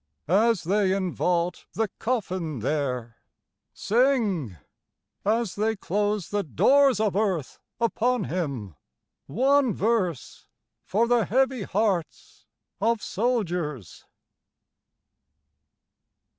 As they invault the coffin there, Sing as they close the doors of earth upon him one verse, For the heavy hearts of soldiers.